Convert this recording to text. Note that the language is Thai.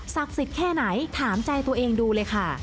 สิทธิ์แค่ไหนถามใจตัวเองดูเลยค่ะ